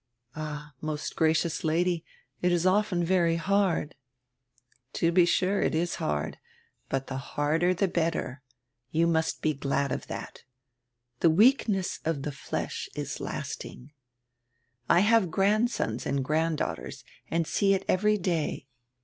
"All, most gracious Lady, it is often very hard." "To be sure, it is hard. But die harder die better. You must be glad of diat. The weakness of die flesh is lasting. I have grandsons and granddaughters and see it ever)' day.